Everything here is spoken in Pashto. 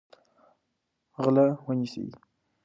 غله ونیسئ.